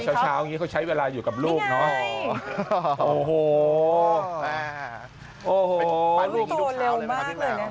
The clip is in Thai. ช้าอย่างนี้เขาใช้เวลาอยู่กับลูกน่ะเร็วมากเลยนะครับ